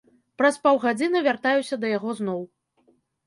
Праз паўгадзіны вяртаюся да яго зноў.